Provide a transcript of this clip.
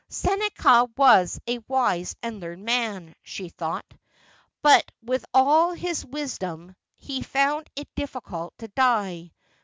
' Seneca was a wise and learned man,' she thought ;' but with all his wisdom he found it difi&cult to die.